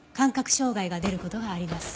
障害が出る事があります。